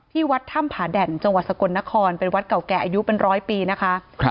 วัดถ้ำผาแด่นจังหวัดสกลนครเป็นวัดเก่าแก่อายุเป็นร้อยปีนะคะ